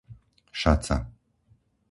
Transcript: Šaca